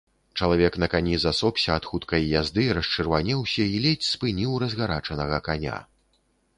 Чалавек на кані засопся ад хуткай язды, расчырванеўся і ледзь спыніў разгарачанага каня.